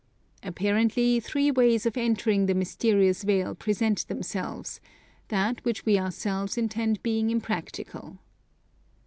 Apparently, three ways of entering the mysterious vale present themselves, that which we ourselves intended being impracticable.